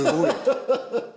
ハハハハ。